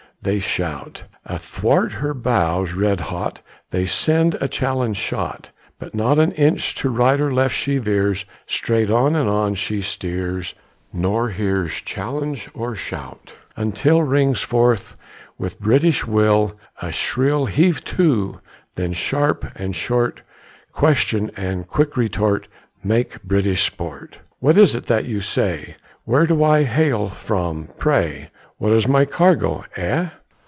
They shout. Athwart her bows red hot They send a challenge shot; But not An inch to right or left she veers, Straight on and on she steers, Nor hears Challenge or shout, until Rings forth with British will A shrill "Heave to!" Then sharp and short Question and quick retort Make British sport. "What is it that you say, Where do I hail from pray, What is my cargo, eh?